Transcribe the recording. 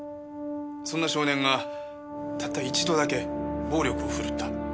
そんな少年がたった一度だけ暴力を振るった。